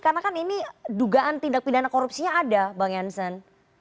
karena kan ini dugaan tindak pindahan korupsinya ada bang jansan